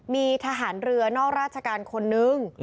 มีทหารเรือนอกราชการคนนึง